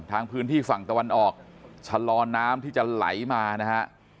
ทางพื้นที่ฝั่งตะวันออกชะลอน้ำที่จะไหลมานะฮะ